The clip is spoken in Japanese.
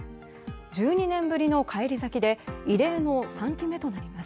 １２年ぶりの返り咲きで異例の３期目となります。